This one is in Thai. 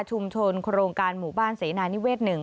ชุมชนโครงการหมู่บ้านเสนานิเวศนึง